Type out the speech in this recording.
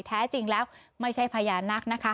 แท้จริงแล้วไม่ใช่พญานาคนะคะ